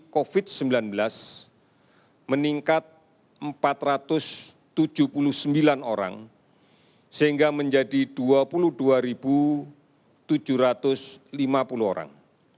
covid sembilan belas meningkat empat ratus tujuh puluh sembilan orang sehingga menjadi dua puluh dua tujuh ratus lima puluh orang